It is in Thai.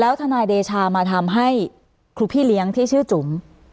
ทนายเดชามาทำให้ครูพี่เลี้ยงที่ชื่อจุ๋ม